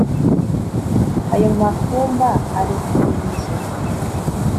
ayo mafumba arekurira izo